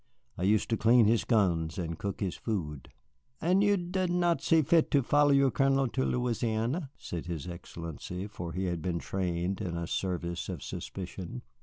I used to clean his guns and cook his food." "And you did not see fit to follow your Colonel to Louisiana?" said his Excellency, for he had been trained in a service of suspicion.